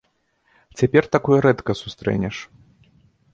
Цяпер такое рэдка сустрэнеш.